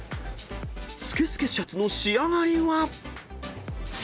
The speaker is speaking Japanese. ［スケスケシャツの仕上がりは⁉］